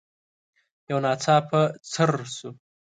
يو ناڅاپه څررر شو.